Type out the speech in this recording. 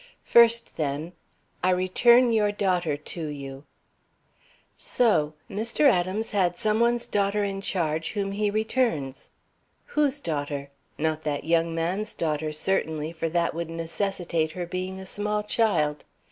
First, then: 'I return your daughter to you!'" "So! Mr. Adams had some one's daughter in charge whom he returns. Whose daughter? Not that young man's daughter, certainly, for that would necessitate her being a small child.